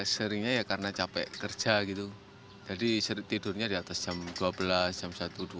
seringnya karena capek kerja jadi tidurnya di atas jam dua belas jam satu dua